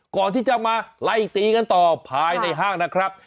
ก่อนที่จะมาไล่ตีกันต่อภายในห้างนะครับ